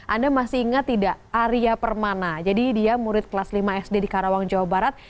anda masih ingat tidak arya permana jadi dia murid kelas lima sd di karawang jawa barat